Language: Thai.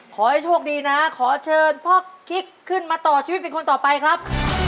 ขอให้โชคดีนะขอเชิญพ่อคิกขึ้นมาต่อชีวิตเป็นคนต่อไปครับ